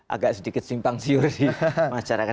agak sedikit simpang siur di masyarakat